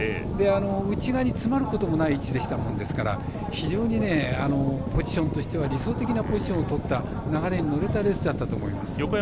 内側に詰まることのない位置でしたものでしたからポジションとしては理想的なポジションをとった流れに乗れたレースだったと思います。